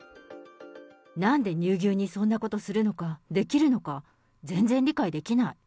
なんで乳牛にそんなことするのか、できるのか、全然理解できない。